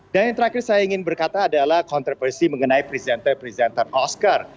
dan yang terakhir saya ingin berkata adalah kontroversi mengenai presenter presenter oscar